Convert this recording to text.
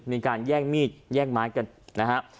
มีการแย่งมีดแย่งไม้กันนะฮะ